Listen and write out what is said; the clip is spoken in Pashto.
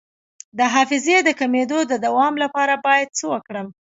د حافظې د کمیدو د دوام لپاره باید څه وکړم؟